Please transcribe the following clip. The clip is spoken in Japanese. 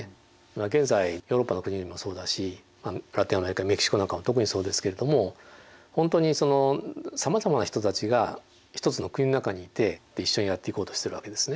現在ヨーロッパの国々もそうだしラテンアメリカメキシコなんかは特にそうですけれども本当にさまざまな人たちが一つの国の中にいて一緒にやっていこうとしてるわけですね。